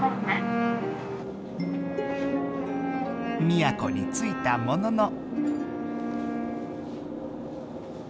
宮古についたものの。